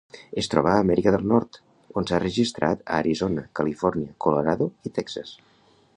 Es troba a Amèrica del Nord, on s'ha registrat a Arizona, Califòrnia, Colorado i Texas.